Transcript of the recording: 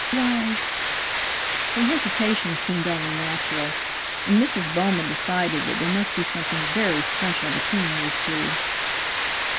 "Why " Her hesitation seemed only natural, and Mrs. Bowman decided that there must be something very special between these two.